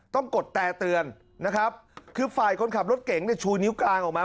กดแตรเตือนนะครับคือฝ่ายคนขับรถเก๋งเนี่ยชูนิ้วกลางออกมา